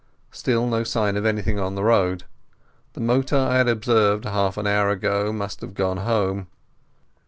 Still no sign of anything on the road. The motor I had observed half an hour ago must have gone home.